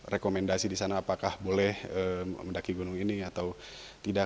rekomendasi di sana apakah boleh mendaki gunung ini atau tidak